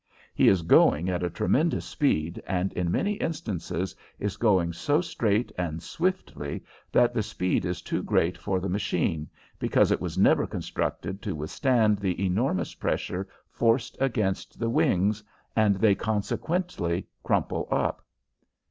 He is going at a tremendous speed and in many instances is going so straight and swiftly that the speed is too great for the machine, because it was never constructed to withstand the enormous pressure forced against the wings, and they consequently crumple up.